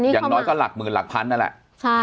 อย่างน้อยก็หลักหมื่นหลักพันนั่นแหละ